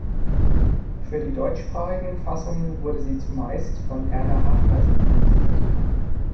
Für die deutschsprachigen Fassungen wurde sie zumeist von Erna Haffner synchronisiert.